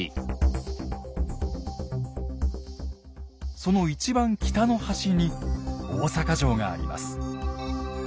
その一番北の端に大坂城があります。